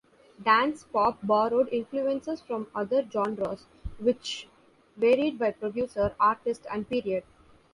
Dance-pop borrowed influences from other genres, which varied by producer, artist and period.